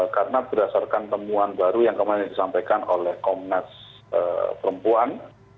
karena berdasarkan temuan baru yang kemarin disampaikan oleh komnas perempuan